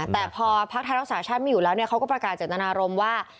แต่พอพักไทยรักษาชาติไม่อยู่แล้วเขาก็ประกาศเจตนารมณ์ว่า